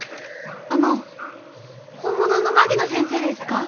あの本物の槙野先生ですか？